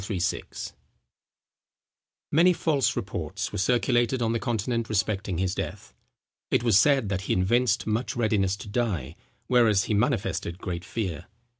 ] Many false reports were circulated on the Continent respecting his death. It was said that he evinced much readiness to die, whereas he manifested great fear.